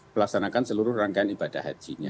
melaksanakan seluruh rangkaian ibadah hajinya